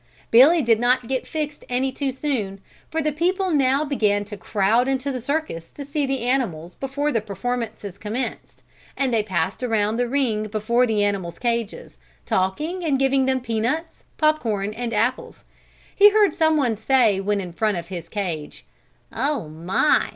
Billy did not get fixed any too soon for the people now began to crowd into the circus to see the animals before the performances commenced and they passed around the ring before the animals' cages, talking and giving them peanuts, pop corn and apples. He heard some one say when in front of his cage: "Oh, my!